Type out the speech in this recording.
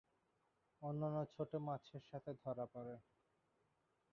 অন্যান্য ছোট মাছের সাথে ধরা পড়ে।